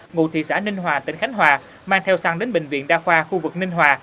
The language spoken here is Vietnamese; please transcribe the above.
ngụ thị xã ninh hòa tỉnh khánh hòa mang theo xăng đến bệnh viện đa khoa khu vực ninh hòa